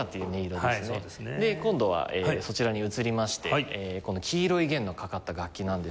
今度はそちらに移りましてこの黄色い弦のかかった楽器なんですけれども。